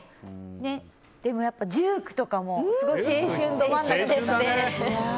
でもやっぱり１９とかも、すごい青春ど真ん中。